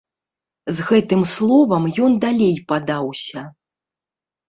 З гэтым словам ён далей падаўся.